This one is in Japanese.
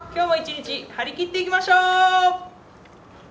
今日も一日張り切っていきましょう！